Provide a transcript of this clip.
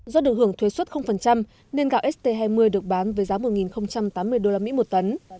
do được hưởng thuế xuất nên gạo st hai mươi được bán với giá một tám mươi usd một tấn